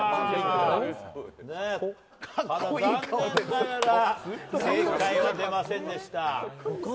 残念ながら正解は出ませんでした。